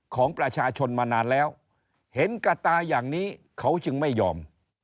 ของประชาชนมานานแล้วเห็นกระตาอย่างนี้เขาจึงไม่ยอม